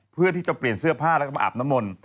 เพื่อที่จะเปลี่ยนเสื้อผ้าแล้วก็มาอาบน้ำมนต์